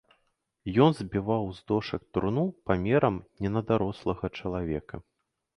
Ён збіваў з дошак труну, памерам не на дарослага чалавека.